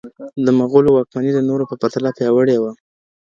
د مغولو واکمني د نورو په پرتله پیاوړي وه.